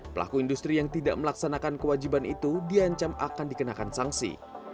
pelaku industri yang tidak melaksanakan kewajiban itu diancam akan dikenakan sanksi